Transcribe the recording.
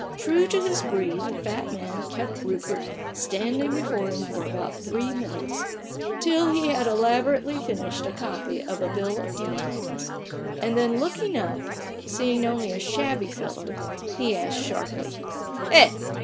True to his breed, the fat man kept Rupert standing before him for about three minutes, till he had elaborately finished a copy of a bill of details; and then looking up, and seeing only a shabby fellow, he asked sharply :— "Eh?